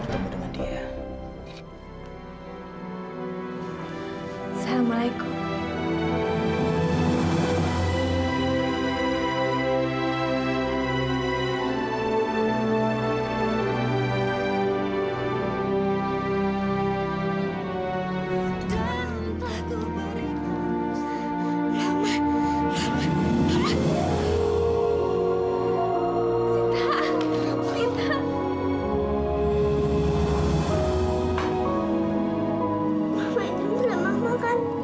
kau masih hidup